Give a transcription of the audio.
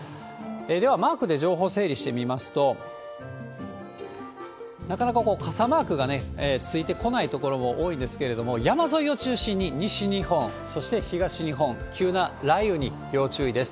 では、マークで情報を整理してみますと、なかなか傘マークがついてこない所も多いんですけれども、山沿いを中心に、西日本、そして東日本、急な雷雨に要注意です。